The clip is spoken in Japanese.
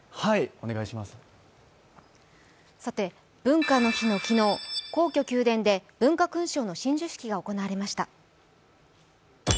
文化の日の昨日、皇居・宮殿で文化勲章の親授式が行われました。